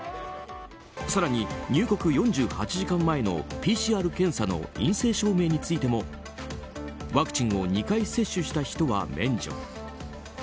更に、入国４８時間前のＰＣＲ検査の陰性証明についてもワクチンを２回接種した人は免除。